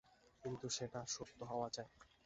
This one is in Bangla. কিন্তু সেটা সত্যি হওয়া চাই।